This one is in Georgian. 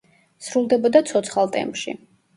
სრულდებოდა ცოცხალ ტემპში.